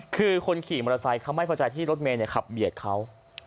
คือคนขี่มอเตอร์ไซค์เขาไม่พอใจที่รถเมย์ขับเบียดเขา